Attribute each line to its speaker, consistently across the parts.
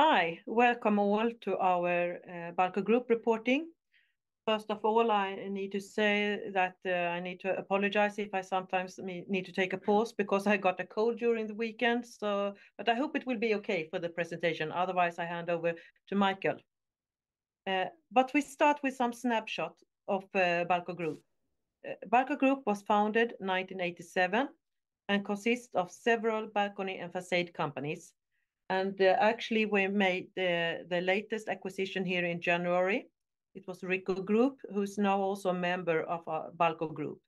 Speaker 1: Hi, welcome all to our Balco Group reporting. First of all, I need to say that I need to apologize if I sometimes need to take a pause because I got a cold during the weekend, so... I hope it will be okay for the presentation; otherwise, I hand over to Michael. We start with some snapshot of Balco Group. Balco Group was founded 1987 and consists of several balcony and facade companies, and actually we made the latest acquisition here in January. It was Riikku Group, who's now also a member of Balco Group.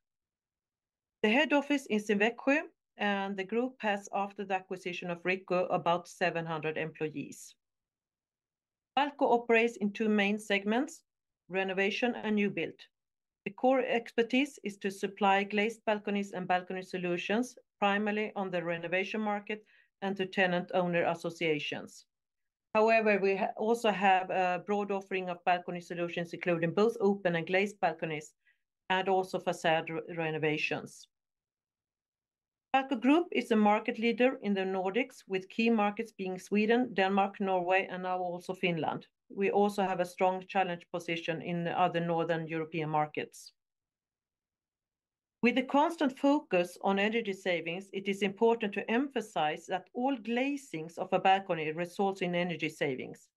Speaker 1: The head office is in Växjö, and the group has, after the acquisition of Riikku, about 700 employees. Balco operates in two main segments: renovation and new build. The core expertise is to supply glazed balconies and balcony solutions, primarily on the renovation market and to tenant owner associations. However, we also have a broad offering of balcony solutions, including both open and glazed balconies, and also facade renovations. Balco Group is a market leader in the Nordics, with key markets being Sweden, Denmark, Norway, and now also Finland. We also have a strong challenge position in the other Northern European markets. With a constant focus on energy savings, it is important to emphasize that all glazings of a balcony results in energy savings.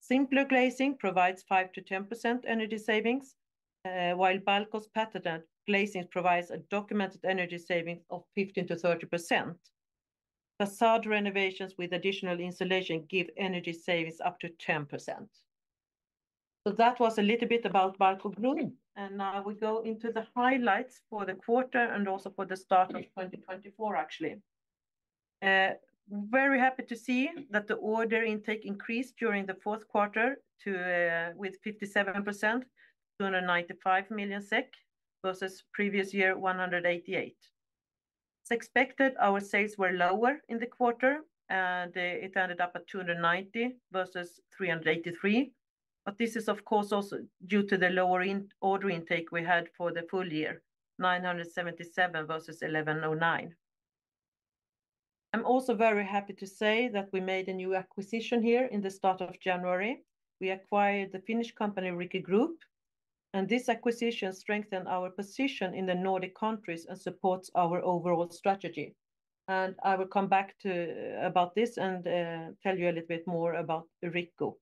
Speaker 1: Simpler glazing provides 5%-10% energy savings, while Balco's patented glazing provides a documented energy saving of 15%-30%. Facade renovations with additional insulation give energy savings up to 10%. So that was a little bit about Balco Group, and now we go into the highlights for the quarter and also for the start of 2024, actually. Very happy to see that the order intake increased during the fourth quarter to, with 57%, 295 million SEK, versus previous year, 188. As expected, our sales were lower in the quarter, and it ended up at 290 versus 383. But this is, of course, also due to the lower order intake we had for the full year, 977 versus 1,109. I'm also very happy to say that we made a new acquisition here in the start of January. We acquired the Finnish company, Riikku Group, and this acquisition strengthened our position in the Nordic countries and supports our overall strategy, and I will come back to about this and tell you a little bit more about Riikku.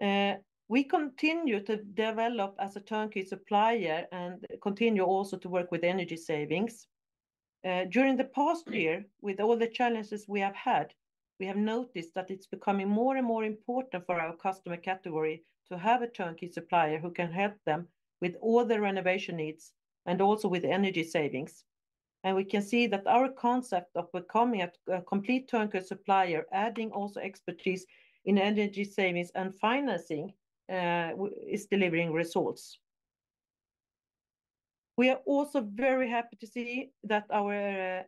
Speaker 1: We continue to develop as a turnkey supplier and continue also to work with energy savings. During the past year, with all the challenges we have had, we have noticed that it's becoming more and more important for our customer category to have a turnkey supplier who can help them with all their renovation needs and also with energy savings. And we can see that our concept of becoming a complete turnkey supplier, adding also expertise in energy savings and financing, is delivering results. We are also very happy to see that our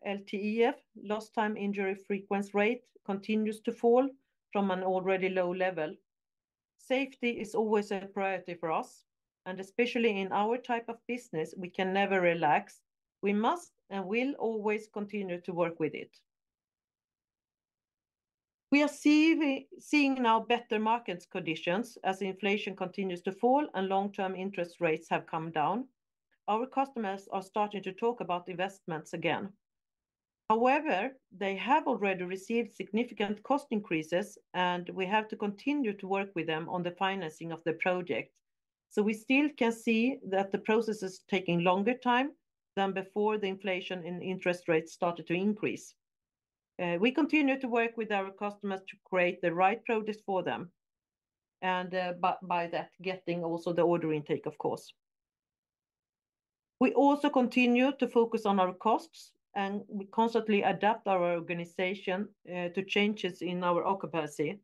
Speaker 1: LTIF, Lost Time Injury Frequency Rate, continues to fall from an already low level. Safety is always a priority for us, and especially in our type of business, we can never relax. We must and will always continue to work with it. We are seeing now better market conditions as inflation continues to fall and long-term interest rates have come down. Our customers are starting to talk about investments again. However, they have already received significant cost increases, and we have to continue to work with them on the financing of the project. So we still can see that the process is taking longer time than before the inflation and interest rates started to increase. We continue to work with our customers to create the right products for them, and, by that, getting also the order intake, of course. We also continue to focus on our costs, and we constantly adapt our organization, to changes in our occupancy.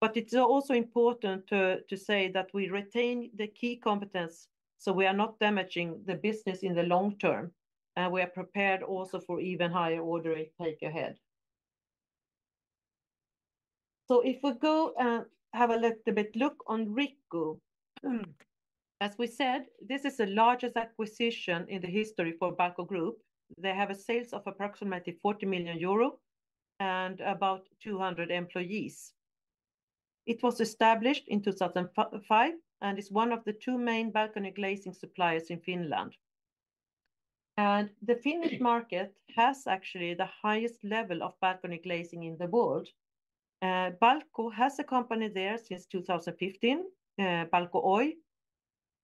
Speaker 1: But it's also important to say that we retain the key competence, so we are not damaging the business in the long term, and we are prepared also for even higher order intake ahead. So if we go and have a little bit look on Riikku, as we said, this is the largest acquisition in the history for Balco Group. They have sales of approximately 40 million euro and about 200 employees. It was established in 2005 and is one of the two main balcony glazing suppliers in Finland. The Finnish market has actually the highest level of balcony glazing in the world. Balco has a company there since 2015, Balco Oy,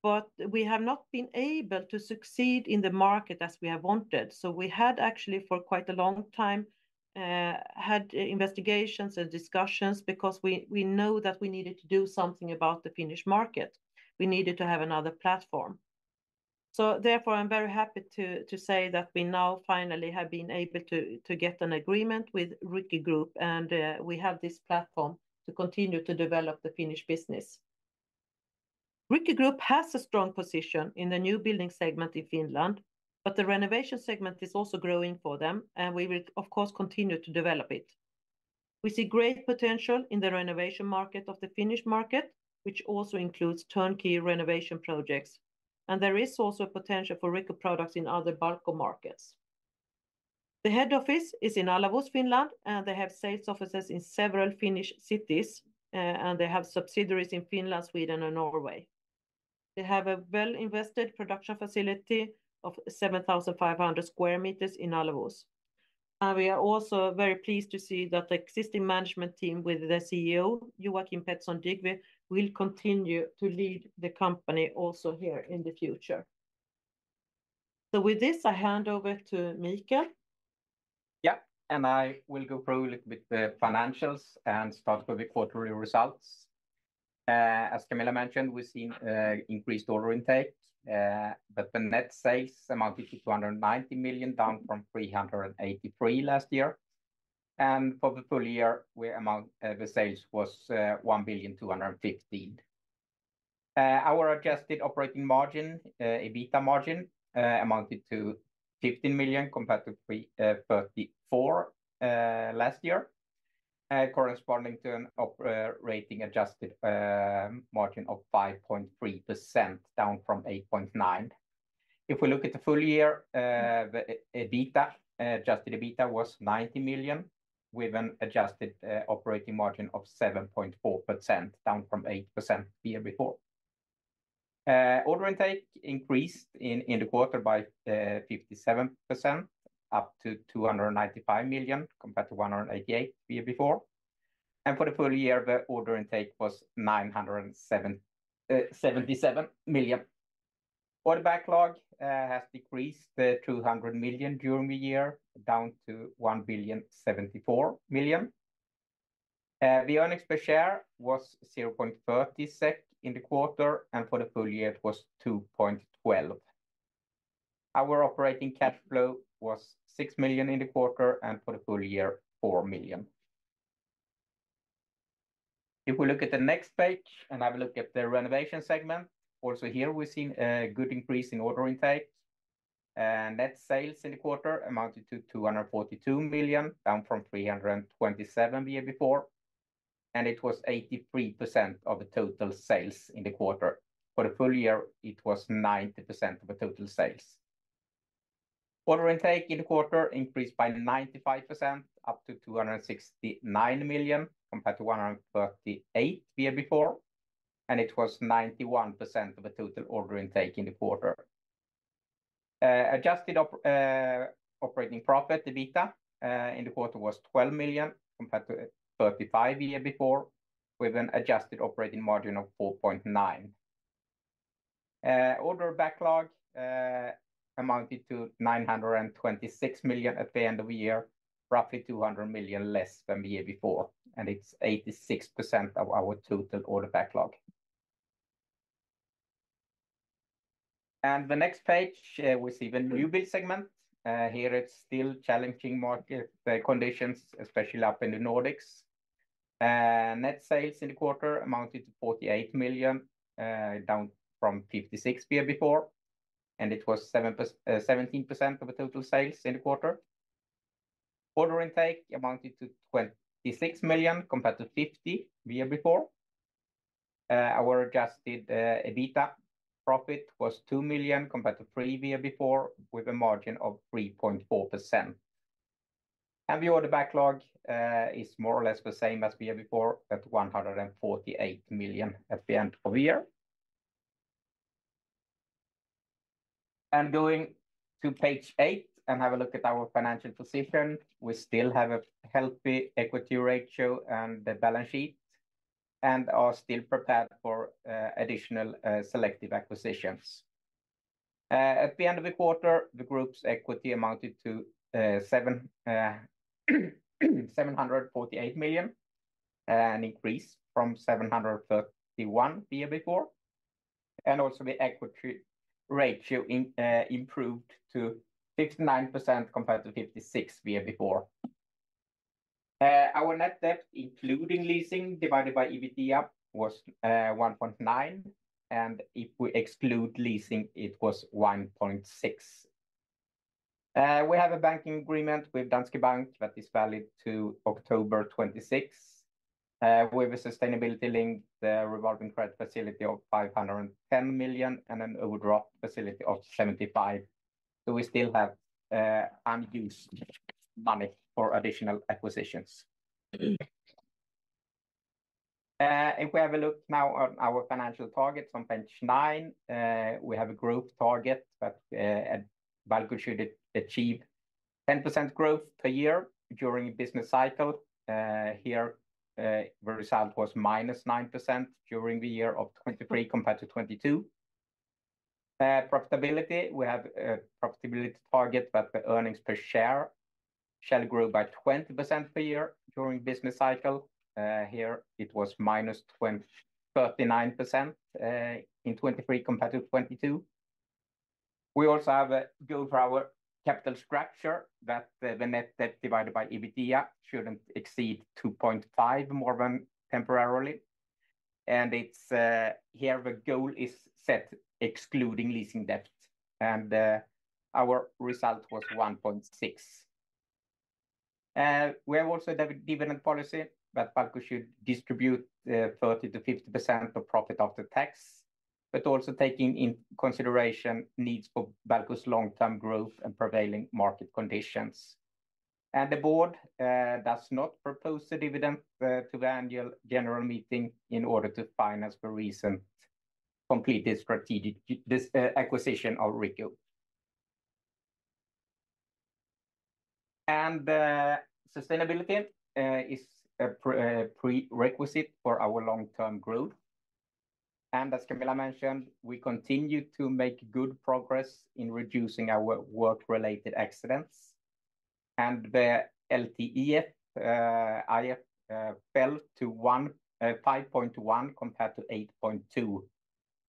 Speaker 1: but we have not been able to succeed in the market as we have wanted. So we had actually, for quite a long time, had investigations and discussions because we know that we needed to do something about the Finnish market. We needed to have another platform. So therefore, I'm very happy to say that we now finally have been able to get an agreement with Riikku Group, and we have this platform to continue to develop the Finnish business. Riikku Group has a strong position in the new building segment in Finland, but the renovation segment is also growing for them, and we will, of course, continue to develop it. We see great potential in the renovation market of the Finnish market, which also includes turnkey renovation projects, and there is also potential for Riikku products in other Balco markets. The head office is in Alavus, Finland, and they have sales offices in several Finnish cities, and they have subsidiaries in Finland, Sweden, and Norway. They have a well-invested production facility of 7,500 square meters in Alavus. We are also very pleased to see that the existing management team, with the CEO, Joakim Petersen-Dyggve, will continue to lead the company also here in the future. With this, I hand over to Michael.
Speaker 2: Yeah, and I will go through a little bit the financials and start with the quarterly results. As Camilla mentioned, we've seen increased order intake, but the net sales amounted to 290 million, down from 383 million last year. For the full year, we amount the sales was 1,215 million. Our adjusted operating margin, EBITDA margin, amounted to 15 million, compared to thirty-four last year, corresponding to an operating adjusted margin of 5.3%, down from 8.9%. If we look at the full year, the EBITDA, adjusted EBITDA was 90 million, with an adjusted operating margin of 7.4%, down from 8% the year before. Order intake increased in the quarter by 57%, up to 295 million, compared to 188 million the year before, and for the full year, the order intake was 977 million. Order backlog has decreased to 200 million during the year, down to 1,074 million. The earnings per share was 0.30 SEK in the quarter, and for the full year it was 2.12. Our operating cash flow was 6 million in the quarter, and for the full year, 4 million. If we look at the next page, and have a look at the renovation segment, also here we've seen a good increase in order intake, and net sales in the quarter amounted to 242 million, down from 327 million the year before, and it was 83% of the total sales in the quarter. For the full year, it was 90% of the total sales. Order intake in the quarter increased by 95%, up to 269 million, compared to 138 million the year before, and it was 91% of the total order intake in the quarter. Adjusted operating profit, the EBITDA, in the quarter was 12 million, compared to 35 million the year before, with an adjusted operating margin of 4.9%. Order backlog amounted to 926 million at the end of the year, roughly 200 million less than the year before, and it's 86% of our total order backlog. The next page, we see the new build segment. Here it's still challenging market conditions, especially up in the Nordics. Net sales in the quarter amounted to 48 million, down from 56 million the year before, and it was 17% of the total sales in the quarter. Order intake amounted to 26 million, compared to 50 million the year before. Our adjusted EBITDA profit was 2 million, compared to 3 million the year before, with a margin of 3.4%. The order backlog is more or less the same as the year before, at 148 million at the end of the year. Going to page eight and have a look at our financial position, we still have a healthy equity ratio and the balance sheet, and are still prepared for additional selective acquisitions. At the end of the quarter, the group's equity amounted to 748 million, an increase from 731 million the year before, and also the equity ratio improved to 69%, compared to 56% the year before. Our net debt, including leasing, divided by EBITDA, was 1.9%, and if we exclude leasing, it was 1.6%. We have a banking agreement with Danske Bank that is valid to October 2026, with a sustainability link, the revolving credit facility of 510 million, and an overdraft facility of 75 million. So we still have unused money for additional acquisitions. If we have a look now on our financial targets on page nine, we have a group target that Balco should achieve 10% growth per year during a business cycle. Here the result was -9% during the year of 2023, compared to 2022. Profitability, we have a profitability target, but the earnings per share shall grow by 20% per year during business cycle. Here it was -23% in 2023 compared to 2022. We also have a goal for our capital structure that the net debt divided by EBITDA shouldn't exceed 2.5% more than temporarily. And it's here the goal is set excluding leasing debt, and our result was 1.6%. We have also the dividend policy that Balco should distribute 30%-50% of profit after tax, but also taking in consideration needs for Balco's long-term growth and prevailing market conditions. And the board does not propose the dividend to the annual general meeting in order to finance the recent completed strategic acquisition of Riikku. And sustainability is a prerequisite for our long-term growth. And as Camilla mentioned, we continue to make good progress in reducing our work-related accidents. The LTIF fell to 1.5% compared to 8.2%,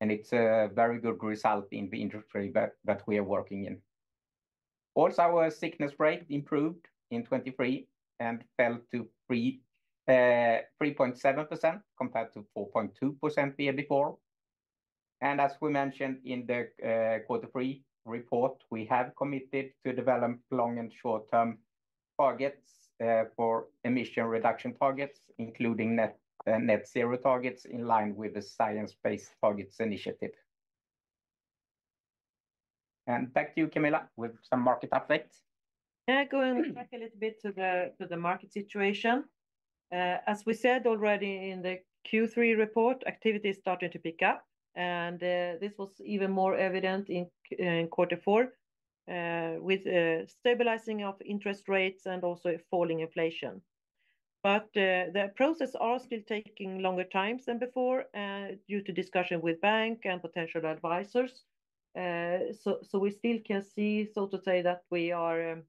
Speaker 2: and it's a very good result in the industry that we are working in. Also, our sickness rate improved in 2023 and fell to 3.7% compared to 4.2% the year before. As we mentioned in the quarter three report, we have committed to develop long and short-term targets for emission reduction targets, including net zero targets in line with the Science Based Targets initiative. Back to you, Camilla, with some market updates.
Speaker 1: Going back a little bit to the market situation. As we said already in the Q3 report, activity is starting to pick up, and this was even more evident in quarter four, with a stabilizing of interest rates and also a falling inflation. But the process are still taking longer times than before, due to discussion with bank and potential advisors. So we still can see, so to say, that we are,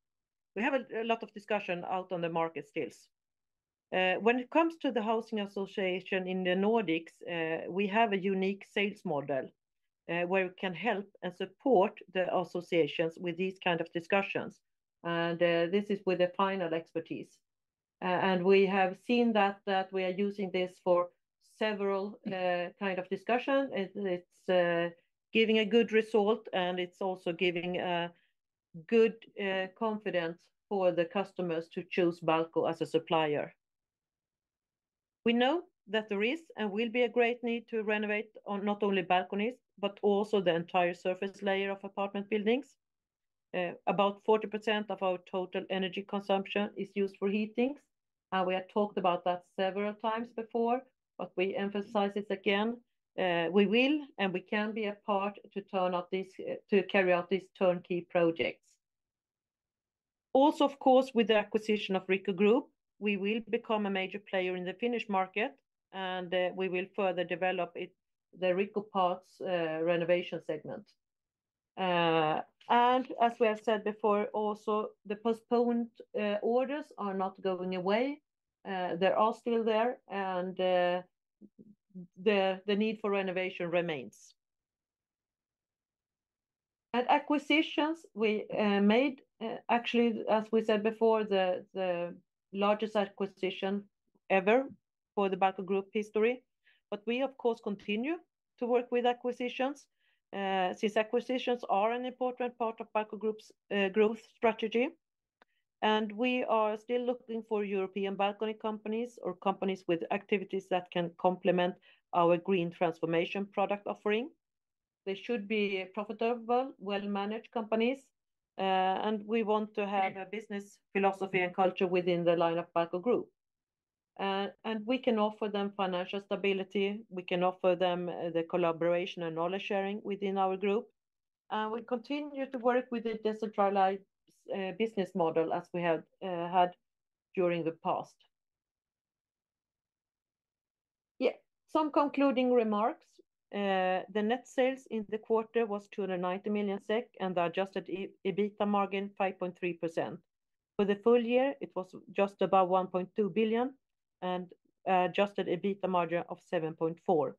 Speaker 1: we have a lot of discussion out on the market still. When it comes to the housing association in the Nordics, we have a unique sales model, where we can help and support the associations with these kind of discussions, and this is with the final expertise. We have seen that we are using this for several kind of discussion. It's giving a good result, and it's also giving a good confidence for the customers to choose Balco as a supplier. We know that there is and will be a great need to renovate on not only balconies, but also the entire surface layer of apartment buildings. About 40% of our total energy consumption is used for heat things, and we have talked about that several times before, but we emphasize this again. We will and we can be a part to turn out this, to carry out these turnkey projects. Also, of course, with the acquisition of Riikku Group, we will become a major player in the Finnish market, and we will further develop it, the Riikku parts renovation segment. And as we have said before, also, the postponed orders are not going away. They're all still there, and the need for renovation remains. At acquisitions, we made, actually, as we said before, the largest acquisition ever for the Balco Group history. But we, of course, continue to work with acquisitions, since acquisitions are an important part of Balco Group's growth strategy, and we are still looking for European balcony companies or companies with activities that can complement our green transformation product offering. They should be profitable, well-managed companies, and we want to have a business philosophy and culture within the line of Balco Group. And we can offer them financial stability, we can offer them the collaboration and knowledge-sharing within our group, and we continue to work with the decentralized business model as we have had during the past. Yeah, some concluding remarks. The net sales in the quarter was 290 million SEK, and the adjusted EBITDA margin 5.3%. For the full year, it was just above 1.2 billion and adjusted EBITDA margin of 7.4%.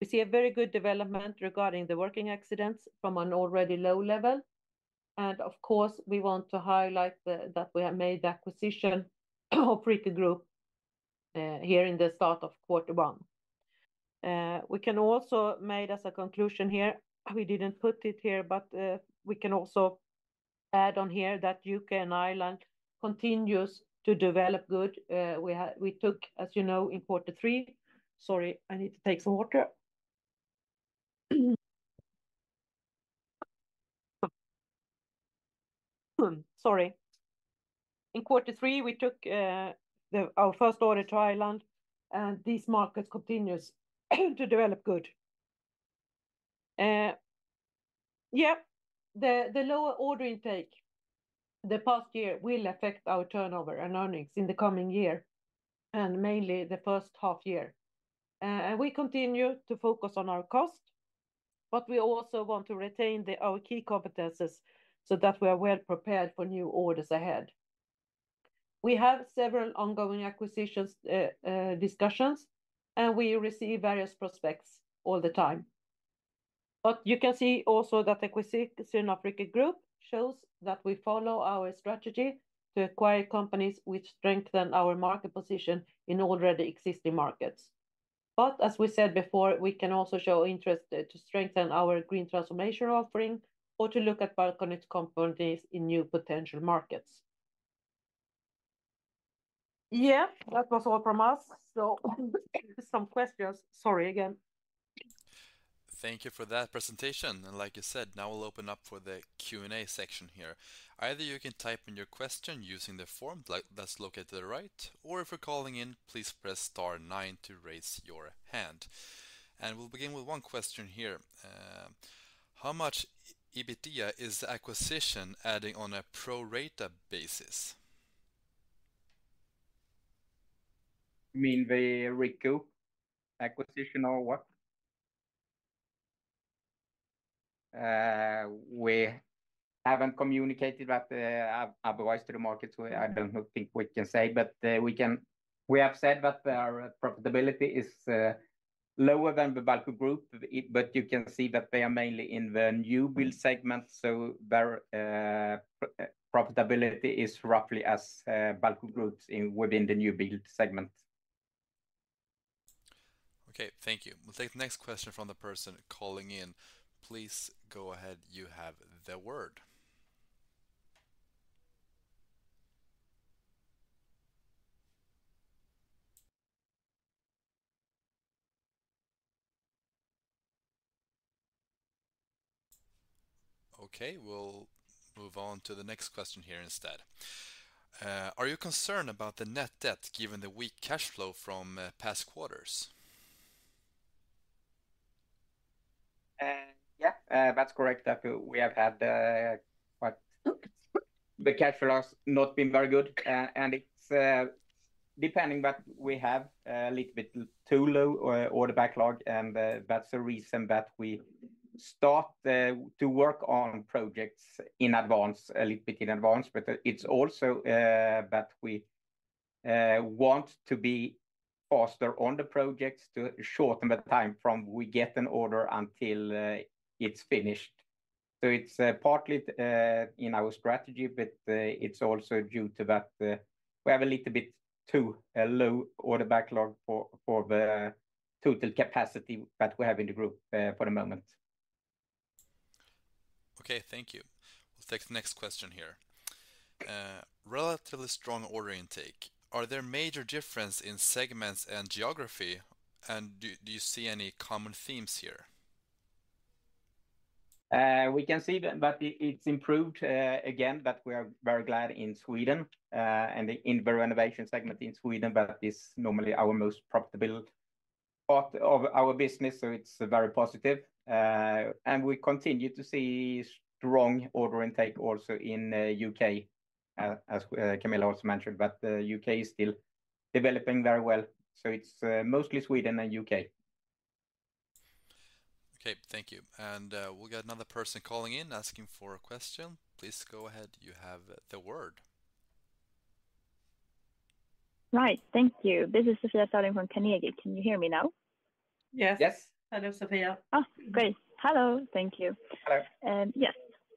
Speaker 1: We see a very good development regarding the working accidents from an already low level. And of course, we want to highlight that we have made the acquisition of Riikku Group here in the start of quarter one. We can also made as a conclusion here, we didn't put it here, but, we can also add on here that U.K. and Ireland continues to develop good. We had—we took, as you know, in quarter three. In quarter three, we took our first order to Ireland, and this market continues to develop good. The lower order intake the past year will affect our turnover and earnings in the coming year, and mainly the first half year. We continue to focus on our cost, but we also want to retain our key competencies so that we are well prepared for new orders ahead. We have several ongoing acquisitions, discussions, and we receive various prospects all the time. You can see also that acquisition of Riikku Group shows that we follow our strategy to acquire companies which strengthen our market position in already existing markets. As we said before, we can also show interest to strengthen our green transformation offering or to look at balcony companies in new potential markets. Yeah, that was all from us, so some questions. Sorry again.
Speaker 3: Thank you for that presentation. And like you said, now we'll open up for the Q&A section here. Either you can type in your question using the form, like, that's located to the right, or if you're calling in, please press star nine to raise your hand. And we'll begin with one question here.
Speaker 4: How much EBITDA is the acquisition adding on a pro rata basis?
Speaker 2: You mean the Riikku acquisition or what? We haven't communicated that, otherwise to the market, so I don't think we can say. But, we can we have said that our profitability is, lower than the Balco Group, but you can see that they are mainly in the new build segment, so their, profitability is roughly as, Balco Group's in within the new build segment.
Speaker 3: Okay, thank you. We'll take the next question from the person calling in. Please go ahead. You have the word. Okay, we'll move on to the next question here instead.
Speaker 5: Are you concerned about the net debt, given the weak cash flow from past quarters?
Speaker 2: Yeah, that's correct, that we have had, the cash flow has not been very good. And it's depending, but we have a little bit too low order backlog, and that's the reason that we start to work on projects in advance, a little bit in advance. But it's also that we want to be faster on the projects to shorten the time from we get an order until it's finished. So it's partly in our strategy, but it's also due to that we have a little bit too low order backlog for the total capacity that we have in the group for the moment.
Speaker 3: Okay, thank you. We'll take the next question here.
Speaker 6: Relatively strong order intake. Are there major difference in segments and geography, and do you see any common themes here?
Speaker 2: We can see that, but it, it's improved, again, that we are very glad in Sweden, and in the renovation segment in Sweden, that is normally our most profitable part of our business, so it's very positive. And we continue to see strong order intake also in U.K., as Camilla also mentioned, but the U.K. is still developing very well, so it's mostly Sweden and U.K.
Speaker 3: Okay, thank you. And, we've got another person calling in, asking for a question. Please go ahead. You have the word.
Speaker 7: Right. Thank you. This is Sofia Sörling from Carnegie. Can you hear me now?
Speaker 1: Yes.
Speaker 2: Yes.
Speaker 1: Hello, Sofia.
Speaker 7: Oh, great. Hello. Thank you.
Speaker 2: Hello.
Speaker 7: Yes.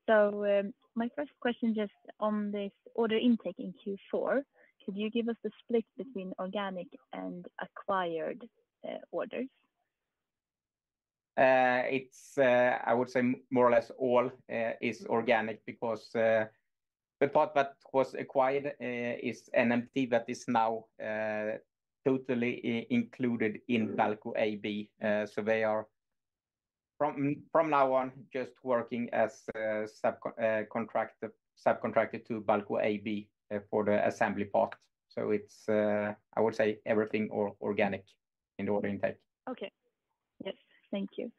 Speaker 7: So, my first question, just on this order intake in Q4, could you give us the split between organic and acquired orders?
Speaker 2: It's more or less all organic because the part that was acquired is an entity that is now totally included in Balco AB. So they are from now on just working as a subcontractor to Balco AB for the assembly part. So it's, I would say, everything organic in the order intake.
Speaker 7: Okay. Yes. Thank you.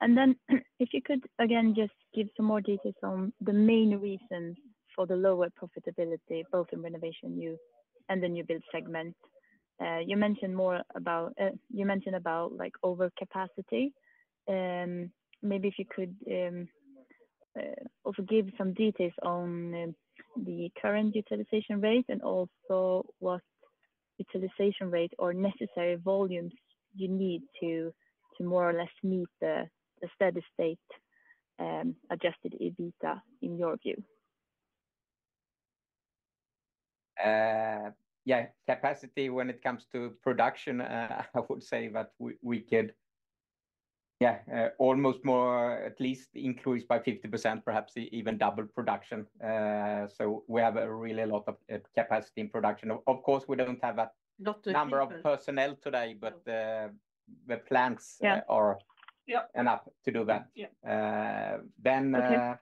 Speaker 7: And then, if you could, again, just give some more details on the main reasons for the lower profitability, both in renovation, new- and the new build segment. You mentioned more about, you mentioned about, like, overcapacity. Maybe if you could, also give some details on the current utilization rate and also what utilization rate or necessary volumes you need to more or less meet the steady state, adjusted EBITDA, in your view.
Speaker 2: Capacity when it comes to production, I would say that we could almost more at least increase by 50%, perhaps even double production. So we have a really lot of capacity in production. Of course, we don't have that-
Speaker 1: Not-...
Speaker 2: number of personnel today, but the plants-
Speaker 1: Yeah
Speaker 2: - are-
Speaker 1: Yeah
Speaker 2: enough to do that.
Speaker 1: Yeah.
Speaker 2: Then,
Speaker 7: Okay...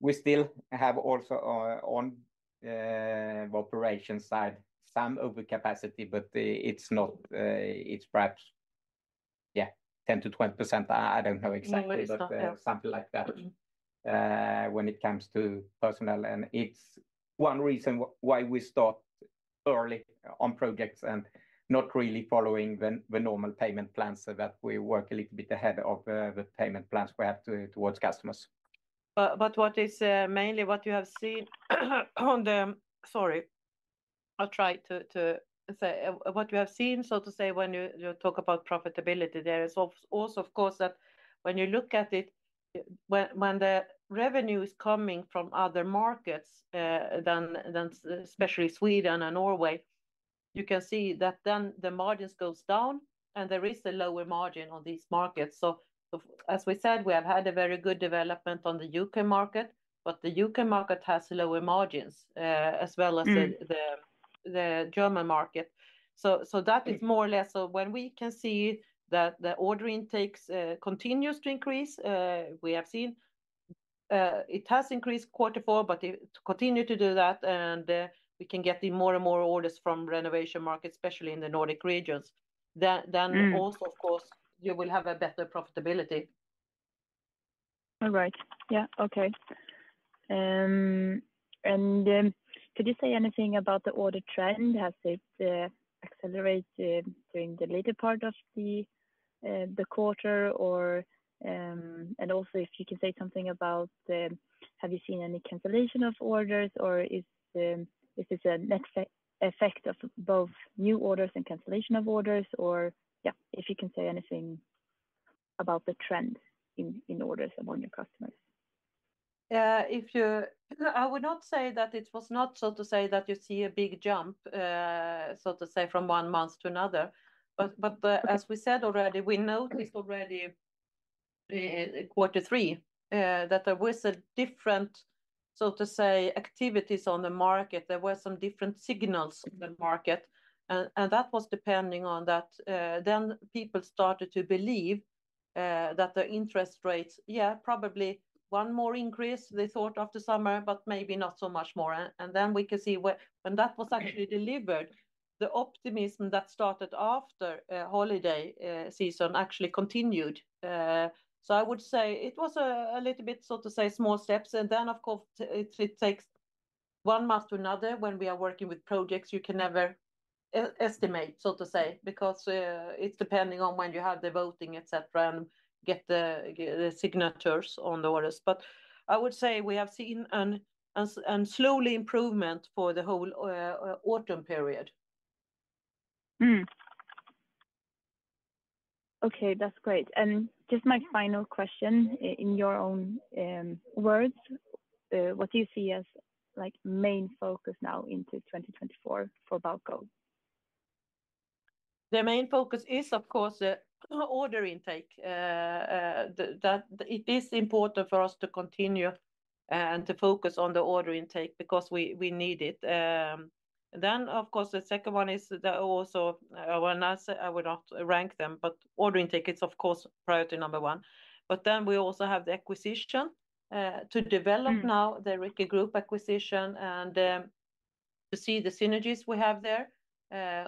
Speaker 2: we still have also, on, operations side, some overcapacity, but it's not, it's perhaps, yeah, 10%-20%. I don't know exactly-
Speaker 7: More or less, yeah....
Speaker 2: but something like that-... when it comes to personnel. It's one reason why we start early on projects and not really following the normal payment plans, so that we work a little bit ahead of the payment plans we have towards customers.
Speaker 1: But what is mainly what you have seen on the... Sorry. I'll try to say what you have seen, so to say, when you talk about profitability, there is also, of course, that when you look at it... when the revenue is coming from other markets than especially Sweden and Norway, you can see that then the margins goes down, and there is a lower margin on these markets. So as we said, we have had a very good development on the UK market, but the UK market has lower margins as well as-... the German market. So that is more or less. So when we can see that the order intakes continues to increase, we have seen it has increased quarter four, but it continue to do that, and we can get in more and more orders from renovation market, especially in the Nordic regions. Then-... also, of course, you will have a better profitability.
Speaker 7: All right. Yeah. Okay. And could you say anything about the order trend? Has it accelerated during the later part of the quarter or... And also, if you can say something about, have you seen any cancellation of orders, or is this a net effect of both new orders and cancellation of orders? Or, yeah, if you can say anything about the trends in orders among your customers.
Speaker 1: I would not say that it was not, so to say, that you see a big jump, so to say, from one month to another. But, but, as we said already, we noticed already, quarter three, that there was a different, so to say, activities on the market. There were some different signals in the market, and, and that was depending on that. Then people started to believe, that the interest rates, yeah, probably one more increase, they thought, after summer, but maybe not so much more. And, and then we can see when, when that was actually delivered, the optimism that started after, holiday, season actually continued. So I would say it was a, a little bit, so to say, small steps, and then, of course, it, it takes one month to another. When we are working with projects, you can never estimate, so to say, because it's depending on when you have the voting, et cetera, and get the signatures on the orders. But I would say we have seen a slow improvement for the whole autumn period.
Speaker 7: Okay, that's great. And just my final question, in your own words, what do you see as, like, main focus now into 2024 for Balco?
Speaker 1: The main focus is, of course, the order intake. That it is important for us to continue and to focus on the order intake because we, we need it. Then, of course, the second one is also, when I say I would not rank them, but order intake is, of course, priority number one. But then we also have the acquisition to develop now-... the Riikku Group acquisition and, to see the synergies we have there.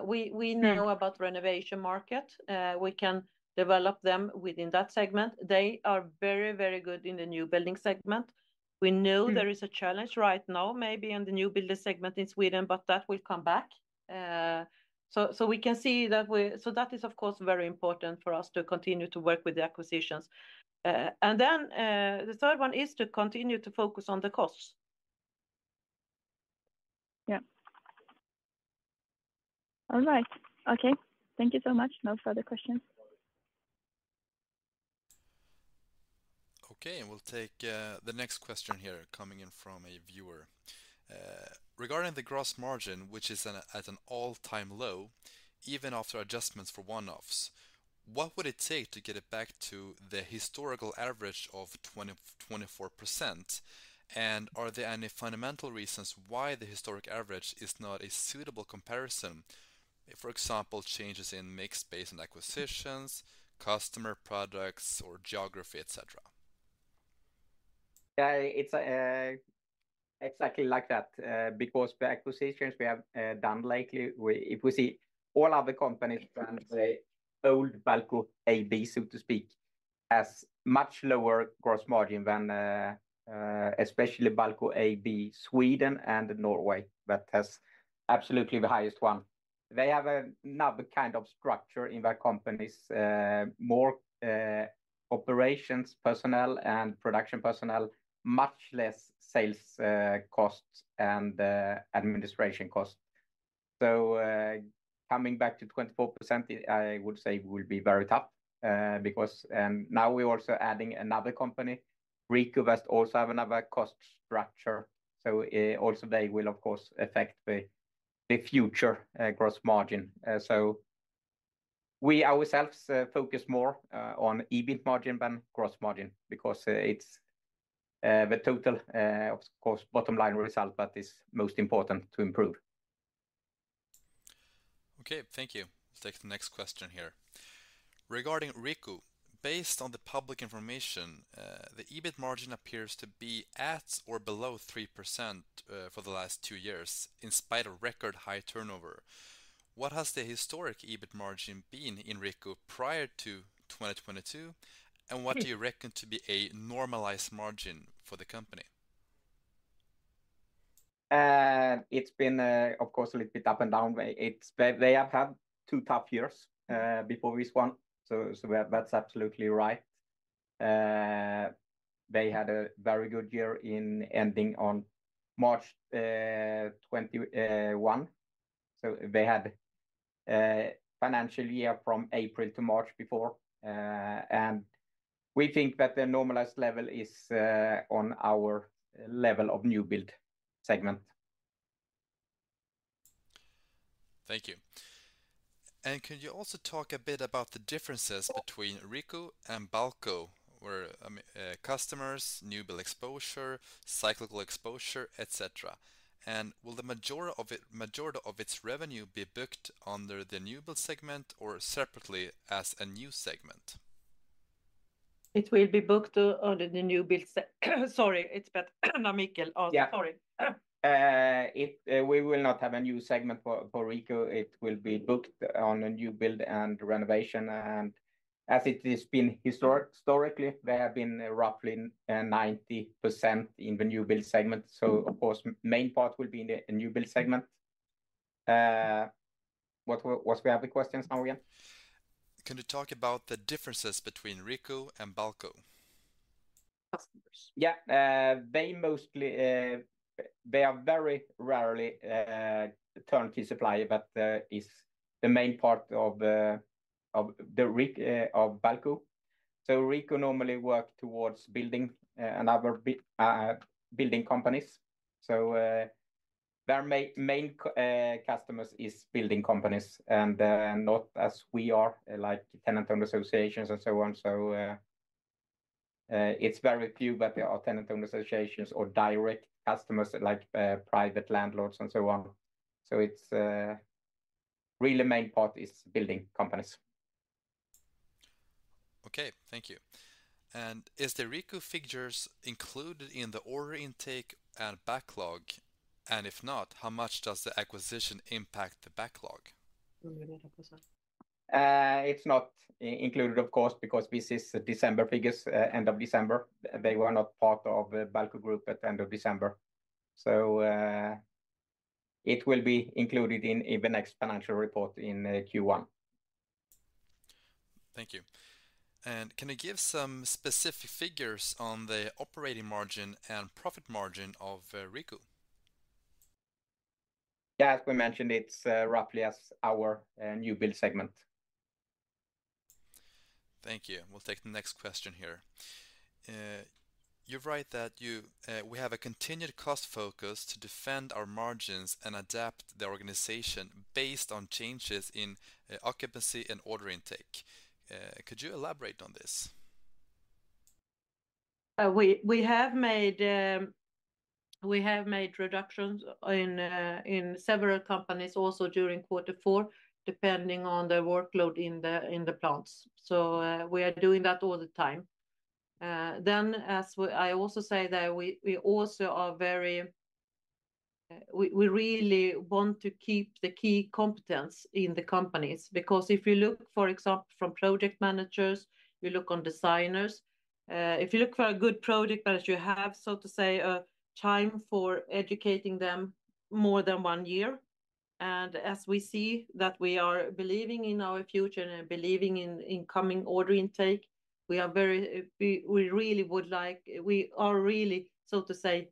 Speaker 1: We know-... about renovation market. We can develop them within that segment. They are very, very good in the new building segment. We know there is a challenge right now, maybe in the new building segment in Sweden, but that will come back. So that is, of course, very important for us to continue to work with the acquisitions. And then, the third one is to continue to focus on the costs.
Speaker 7: Yeah. All right. Okay. Thank you so much. No further questions.
Speaker 3: Okay, and we'll take the next question here, coming in from a viewer.
Speaker 8: "Regarding the gross margin, which is at an all-time low, even after adjustments for one-offs, what would it take to get it back to the historical average of 24%? And are there any fundamental reasons why the historic average is not a suitable comparison, for example, changes in mixed space and acquisitions, customer products, or geography, et cetera?
Speaker 2: Yeah, it's exactly like that, because the acquisitions we have done lately, if we see all other companies from the old Balco AB, so to speak, has much lower gross margin than, especially Balco AB, Sweden, and Norway, that has absolutely the highest one. They have another kind of structure in their companies, more operations personnel and production personnel, much less sales costs, and administration costs. So, coming back to 24%, I would say, will be very tough, because now we're also adding another company. Riikku also have another cost structure, so also they will, of course, affect the future gross margin. So we ourselves focus more on EBIT margin than gross margin because it's the total, of course, bottom line result that is most important to improve.
Speaker 3: Okay, thank you. Let's take the next question here:
Speaker 9: "Regarding Riikku, based on the public information, the EBIT margin appears to be at or below 3%, for the last two years, in spite of record high turnover. What has the historic EBIT margin been in Riikku prior to 2022, and what do you reckon to be a normalized margin for the company?
Speaker 2: It's been, of course, a little bit up and down, but they have had two tough years before this one, so that's absolutely right. They had a very good year ending on March 2021, so they had financial year from April to March before. And we think that the normalized level is on our level of new build segment.
Speaker 3: Thank you.
Speaker 9: And could you also talk a bit about the differences between Riikku and Balco, where, customers, new build exposure, cyclical exposure, et cetera? And will the majority of its revenue be booked under the new build segment or separately as a new segment?
Speaker 1: It will be booked under the new build. Sorry, it's better now, Michael. Sorry.
Speaker 2: We will not have a new segment for Riikku. It will be booked on a new build and renovation, and as it has been historically, they have been roughly 90% in the new build segment. So of course, main part will be in the new build segment. What questions do we have now again?
Speaker 9: Can you talk about the differences between Riikku and Balco?
Speaker 1: Customers.
Speaker 2: Yeah, they mostly, they are very rarely turnkey supplier, but is the main part of the Riikku of Balco. So Riikku normally work towards building and other building companies. So, their main customers is building companies, and not as we are, like, tenant-owned associations and so on. So, it's very few, but there are tenant-owned associations or direct customers, like private landlords and so on. So it's really main part is building companies.
Speaker 3: Okay, thank you.
Speaker 9: Is the Riikku figures included in the order intake and backlog? And if not, how much does the acquisition impact the backlog?
Speaker 1: That was us.
Speaker 2: It's not included, of course, because this is December figures, end of December. They were not part of the Balco Group at the end of December. It will be included in the next financial report in Q1.
Speaker 3: Thank you.
Speaker 9: And can you give some specific figures on the operating margin and profit margin of Riikku?
Speaker 2: Yeah, as we mentioned, it's roughly as our new build segment.
Speaker 3: Thank you. We'll take the next question here.
Speaker 10: You write that you, "We have a continued cost focus to defend our margins and adapt the organization based on changes in occupancy and order intake." Could you elaborate on this?
Speaker 1: We have made, we have made reductions in several companies also during quarter four, depending on the workload in the plants. So, we are doing that all the time. Then, as we, I also say that we, we also are very... We, we really want to keep the key competence in the companies, because if you look, for example, from project managers, you look on designers, if you look for a good project manager, you have, so to say, time for educating them more than one year. And as we see that we are believing in our future and believing in coming order intake, we are very, we, we really would like, we are really, so to say,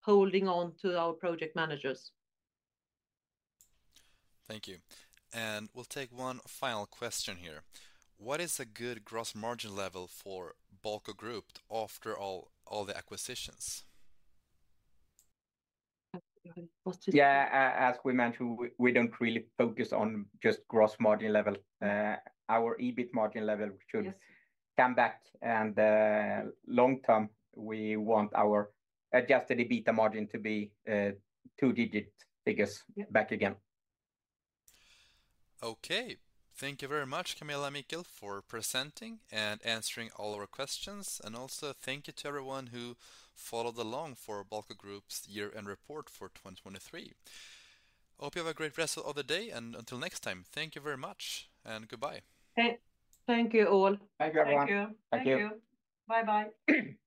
Speaker 1: holding on to our project managers.
Speaker 3: Thank you. We'll take one final question here:
Speaker 11: What is a good gross margin level for Balco Group after all, all the acquisitions?
Speaker 1: Uh, what's-
Speaker 2: Yeah, as we mentioned, we don't really focus on just gross margin level. Our EBIT margin level should-
Speaker 1: Yes...
Speaker 2: come back, and, long term, we want our adjusted EBITDA margin to be, two-digit figures-
Speaker 1: Yeah...
Speaker 2: back again.
Speaker 3: Okay. Thank you very much, Camilla and Michael, for presenting and answering all our questions. Also thank you to everyone who followed along for Balco Group's year-end report for 2023. Hope you have a great rest of the day, and until next time, thank you very much, and goodbye.
Speaker 1: Hey, thank you, all.
Speaker 2: Thank you, everyone.
Speaker 1: Thank you.
Speaker 2: Thank you.
Speaker 1: Thank you. Bye-bye.